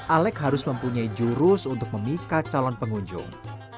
alex harus mempunyai jurus untuk memikat calon pengunjung